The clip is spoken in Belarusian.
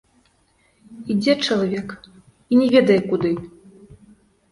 Ідзе чалавек і не ведае куды.